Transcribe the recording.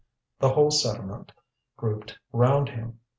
The whole settlement grouped round him.